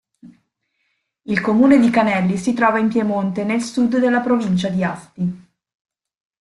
Il comune di Canelli si trova in Piemonte, nel sud della provincia di Asti.